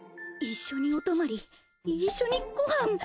一緒にお泊まり一緒にごはん。